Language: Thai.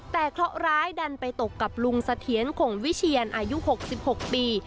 แต่เคราะห์ร้ายดันไปตกกับลุงเสถียรคงวิเชียนอายุ๖๖ปี